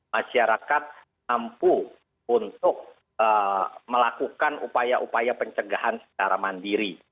masyarakat mampu untuk melakukan upaya upaya pencegahan secara mandiri